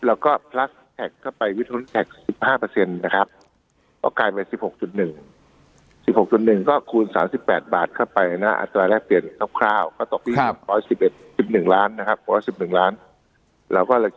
แล้วก็พลัสแท็กเข้าไปวิทยุนแท็กส์สิบห้าเปอร์เซ็นตร์นะครับก็กลายไปสี่ปวดหนึ่ง